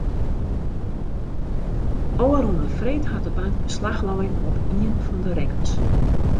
Ofrûne freed hat de bank beslach lein op ien fan de rekkens.